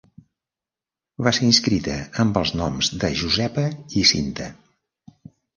Va ser inscrita amb els noms de Josepa i Cinta.